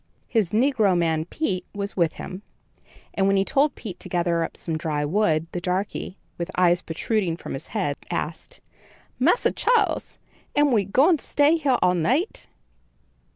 His negro man Pete was with him, and when he told Pete to gather up some dry wood, the darkey, with eyes protruding from his head, asked: "Massa Charles, am ye gwine to stay heah all night?"